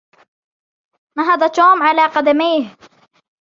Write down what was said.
نهض توم على قدميه.